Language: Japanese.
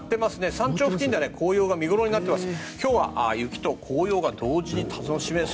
山頂付近では紅葉が見頃になっています。